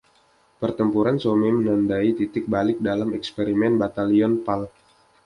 Pertempuran Somme menandai titik balik dalam eksperimen batalion Pal.